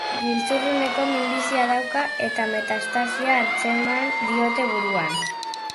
Giltzurruneko minbizia dauka eta metastasia antzeman diote buruan.